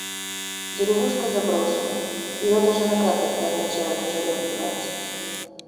Деревушка заброшена. Ее даже на картах не отмечают уже лет двадцать.